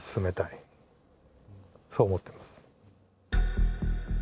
そう思ってます。